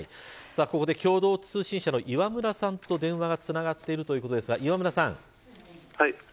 ここで共同通信社の磐村さんと電話がつながっているということですが磐村さん。